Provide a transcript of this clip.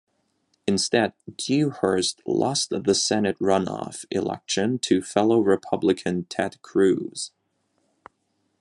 Instead Dewhurst lost the Senate runoff election to fellow Republican Ted Cruz.